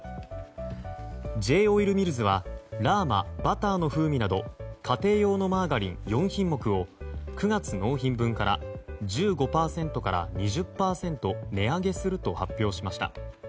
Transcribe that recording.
Ｊ‐オイルミルズはラーマバターの風味など家庭用のマーガリン４品目を９月納品分から１５％から２０％値上げすると発表しました。